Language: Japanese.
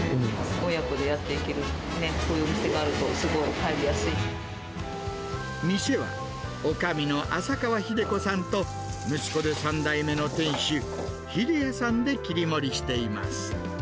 親子でやってるね、こういう店は、おかみの浅川英子さんと、息子で３代目の店主、英也さんで切り盛りしています。